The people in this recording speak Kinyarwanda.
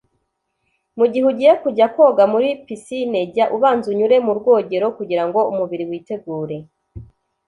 Mu gihe ugiye kujya koga muri “piscine” jya ubanza unyure mu rwogero kugirango umubiri witegure